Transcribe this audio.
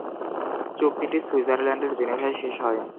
চুক্তিটি সুইজারল্যান্ডের জেনেভায় শেষ হয়।